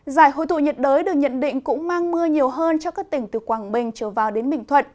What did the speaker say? giải hội tụ nhiệt đới được nhận định cũng mang mưa nhiều hơn cho các tỉnh từ quảng bình trở vào đến bình thuận